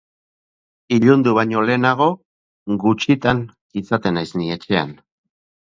Ilundu baino lehenago, gutxitan izaten naiz ni etxean!